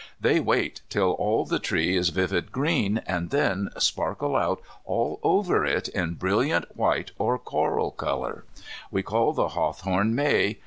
They wait till all the tree is vivid green, and then sparkle out all over it in brilliant white or coral colour. We call the hawthorn May.